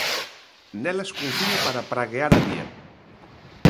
Nelas confío para praguear á vía.